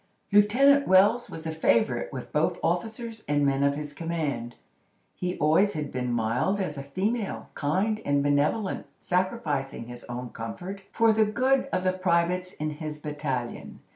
Lieutenant Wells was a favorite with both officers and men of his command. He always had been mild as a female, kind and benevolent—sacrificing his own comfort for the good of the privates in his battalion.